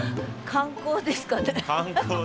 観光ですか。